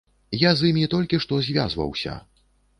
Я з імі толькі што звязваўся.